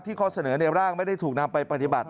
ข้อเสนอในร่างไม่ได้ถูกนำไปปฏิบัติ